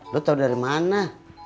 lu tau dari mana